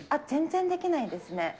全然できないですね。